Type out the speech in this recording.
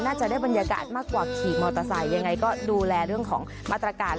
น่าจะได้บรรยากาศมากกว่าขี่มอเตอร์ไซค์ยังไงก็ดูแลเรื่องของมาตรการ